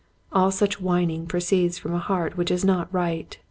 All such whining proceeds from a heart which is not right.